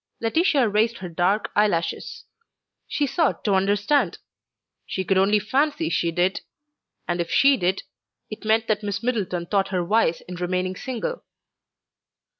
Laetitia raised her dark eyelashes; she sought to understand. She could only fancy she did; and if she did, it meant that Miss Middleton thought her wise in remaining single.